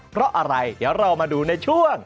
เพราะอะไรเดี๋ยวเรามาดูในช่วง